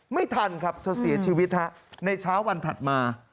ไม่ทันครับเธอเสียชีวิตฮะในเช้าวันถัดมา